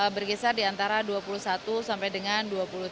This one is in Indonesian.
berkisar di antara dua puluh satu sampai dengan dua puluh tiga